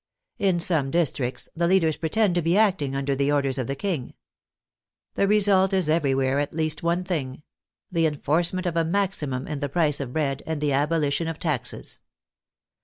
In some districts the leaders pretend to be acting under the orders of the King. The result is everywhere at least one thing — the enforcement of a maximum in the price of bread, and the abolition of taxes.